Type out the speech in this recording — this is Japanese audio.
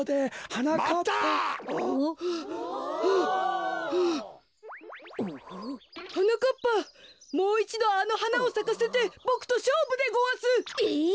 はなかっぱもういちどあのはなをさかせてボクとしょうぶでごわす。え！？